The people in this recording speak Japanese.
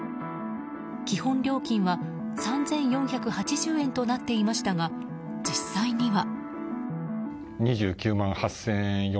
基本料金は３４８０円となっていましたが、実際には。